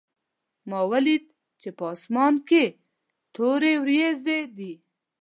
ما ولیدل چې په اسمان کې تورې وریځې دي